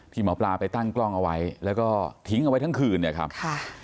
หมอปลาไปตั้งกล้องเอาไว้แล้วก็ทิ้งเอาไว้ทั้งคืนเนี่ยครับค่ะ